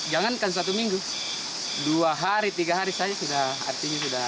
jangankan satu minggu dua hari tiga hari saja sudah artinya sudah